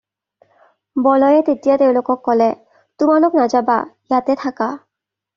বলোৱে তেতিয়া তেওঁলোকক ক'লে- "তোমালোক নাযাবা, ইয়াতে থাকা।"